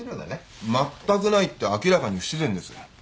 まったくないって明らかに不自然です。